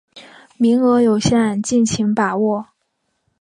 名额有限，敬请把握